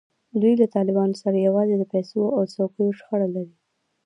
دوی له طالبانو سره یوازې د پیسو او څوکیو شخړه لري.